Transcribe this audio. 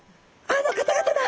あの方々だ！